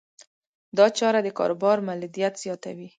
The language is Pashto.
دا چاره د کاروبار مولدیت زیاتوي.